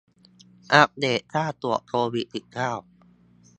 อัปเดตค่าตรวจโควิด สิบเก้า